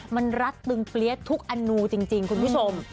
มันรัดตึงเปรี้ยทุกอนูจริงคุณผู้ชม